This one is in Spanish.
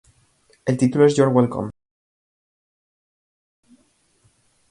El título es 'You're Welcome'.